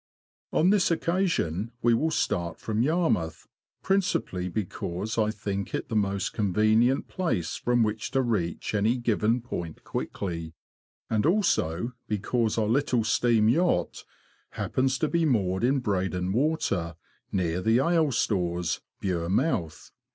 On this occasion we will start from Yarmouth, principally because I think it the most convenient place from which to reach any given point quickly. M YARMOUTH TO LOWESTOFT. 25 and also because our little steam yacht happens to be moored in Breydon Water, near the Ale Stores, Bure Mouth.